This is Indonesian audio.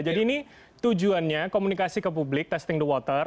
jadi ini tujuannya komunikasi ke publik testing the water